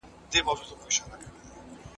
چې ستا مور یادوي: